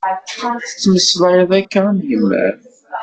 Tettmeslayeḍ akka am yemma-m.